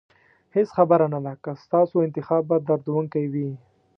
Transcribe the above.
هېڅ خبره نه ده که ستاسو انتخاب به دردونکی وي.